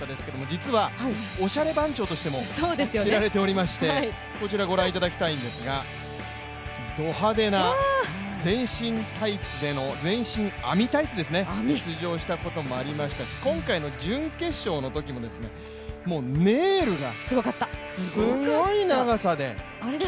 実はおしゃれ番長としても知られておりまして、こちら、ご覧いただきたいんですがド派手な全身網タイツで出場したこともありましたし今回の準決勝のときもネイルがすごい長さで。